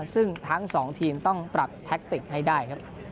ซึ่งทั้ง๒ทีมต้องปรับแท็กติกให้ได้ครับ